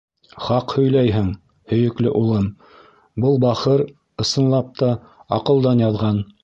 — Хаҡ һөйләйһең, һөйөклөулым, был бахыр, ысынлап та, аҡылдан яҙған.